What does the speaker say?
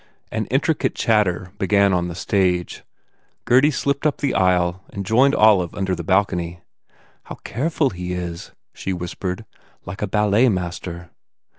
An intricate chatter began on the stage. Gurdy slipped up the aisle and joined Olive under the balcony. "How careful he is," she whispered, Tike a ballet master."